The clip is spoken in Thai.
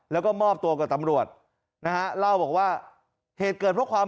แล้วก็มอบตัวกับตำรวจนะฮะเล่าบอกว่าเหตุเกิดเพราะความ